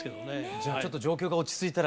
じゃあちょっと状況が落ち着いたら。